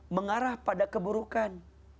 mengarah pada keburukan